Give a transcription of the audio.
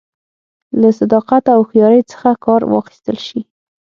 له صداقت او هوښیارۍ څخه کار واخیستل شي